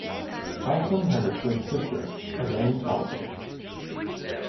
Thompson has a twin sister, Elaine Thompson.